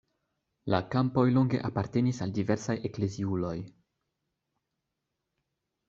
La kampoj longe apartenis al diversaj ekleziuloj.